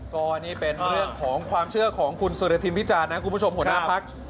ก็นี่เป็นเรื่องของความเชื่อของคุณสุรทินพิจารณนะคุณผู้ชมหัวหน้าพัก